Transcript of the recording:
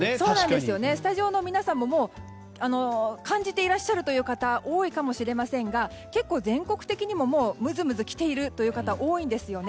スタジオの皆さんも、もう感じていらっしゃるという方多いかもしれませんが結構、全国的にももうムズムズきている方多いんですね。